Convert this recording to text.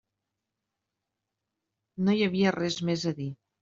No hi havia res més a dir.